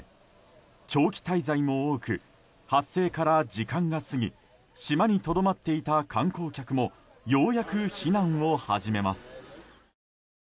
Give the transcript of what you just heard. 長期滞在も多く発生から時間が過ぎ島にとどまっていた観光客もようやく避難を始めます。